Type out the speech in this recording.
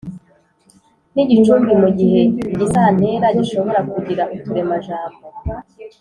n’igicumbi mu gihe igisantera gishobora kugira uturemajambo